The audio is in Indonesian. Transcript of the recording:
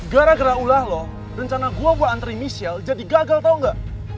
gara gara ulah lo rencana gue buat antri michelle jadi gagal tau ga